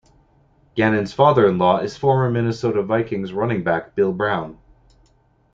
Gannon's father-in-law is former Minnesota Vikings running back Bill Brown.